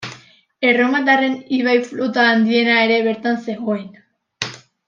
Erromatarren ibai flota handiena ere bertan zegoen.